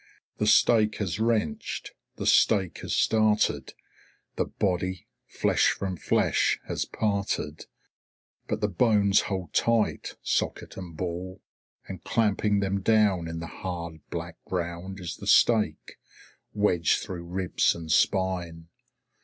The stake has wrenched, the stake has started, the body, flesh from flesh, has parted. But the bones hold tight, socket and ball, and clamping them down in the hard, black ground is the stake, wedged through ribs and spine.